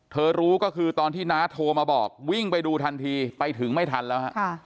รู้ก็คือตอนที่น้าโทรมาบอกวิ่งไปดูทันทีไปถึงไม่ทันแล้วฮะ